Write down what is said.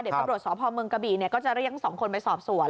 เด็กปรวจสอบภอมเมืองกะบี่เนี่ยก็จะเรียกสองคนไปสอบสวน